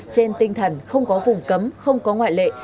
trên tinh thần không có vùng cấm không có ngoại lệ